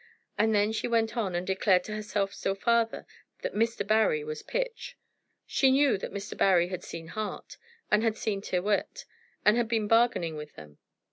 And then she went on and declared to herself still farther, that Mr. Barry was pitch. She knew that Mr. Barry had seen Hart, and had seen Tyrrwhit, and had been bargaining with them.